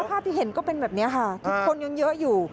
ภาพที่เห็นก็เป็นแบบนี้ค่ะทุกคนยังเยอะอยู่